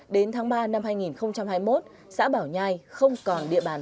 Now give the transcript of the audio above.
đến tháng ba năm hai nghìn hai mươi một xã bảo nhai không còn địa bàn